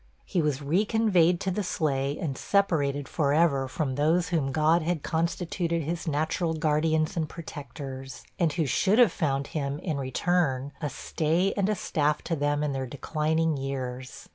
He was re conveyed to the sleigh, and separated for ever from those whom God had constituted his natural guardians and protectors, and who should have found him, in return, a stay and a staff to them in their declining years.